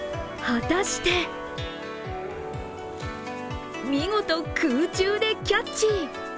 果たして見事、空中でキャッチ。